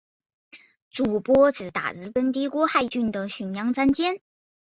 筑波是大日本帝国海军的巡洋战舰。